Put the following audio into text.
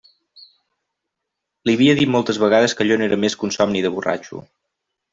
Li havia dit moltes vegades que allò no era més que un somni de borratxo.